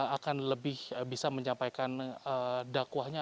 akan lebih bisa menyampaikan dakwahnya